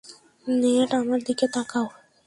Net, আমার দিকে তাকাও।